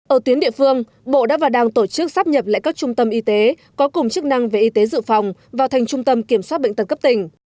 ở tuyến địa phương bộ đã và đang tổ chức sắp nhập lại các trung tâm y tế có cùng chức năng về y tế dự phòng vào thành trung tâm kiểm soát bệnh tật cấp tỉnh